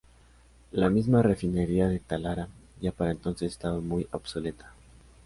La misma refinería de Talara ya para entonces estaba muy obsoleta.